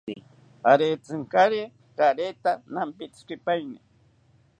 Arentzinkari rareta nampitzikipaeni